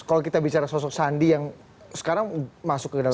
kalau kita bicara sosok sandi yang sekarang masuk ke dalam